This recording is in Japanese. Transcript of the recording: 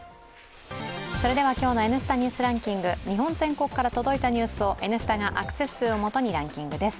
それでは今日の「Ｎスタ・ニュースランキング」日本全国から届いたニュースを「Ｎスタ」がアクセス数をもとにランキングです。